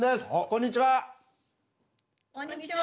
こんにちは。